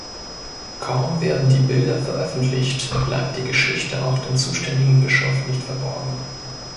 Kaum werden die Bilder veröffentlicht bleibt die Geschichte auch dem zuständigen Bischof nicht verborgen.